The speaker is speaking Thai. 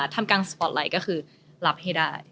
ทำกลางสปอร์ตไลท์ก็คือรับให้ได้